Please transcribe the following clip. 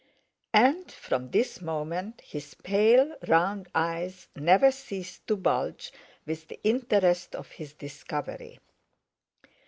And from this moment his pale, round eyes never ceased to bulge with the interest of his discovery.